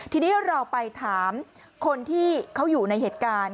ทีนี้เราไปถามคนที่เขาอยู่ในเหตุการณ์